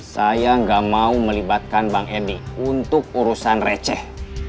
saya nggak mau melibatkan bang edi untuk urusan receh